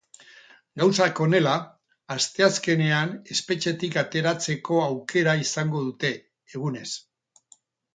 Gauzak horrela, asteazkenean, espetxetik ateratzeko aukera izango dute, egunez.